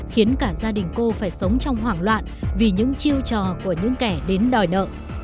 khiến cả gia đình cô phải sống trong hoảng loạn vì những chiêu trò của những kẻ đến đòi nợ